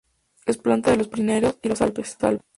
Es planta de los Pirineos y los Alpes.